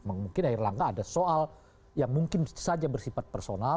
mungkin erlangga ada soal yang mungkin saja bersifat personal